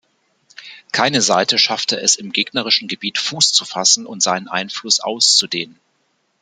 Keine Seite schaffte es im gegnerischen Gebiet Fuß zu fassen und seinen Einfluss auszudehnen.